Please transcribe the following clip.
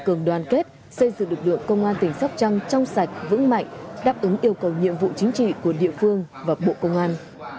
công an tỉnh sóc trăng trong sạch vững mạnh đáp ứng yêu cầu nhiệm vụ chính trị của địa phương và bộ công an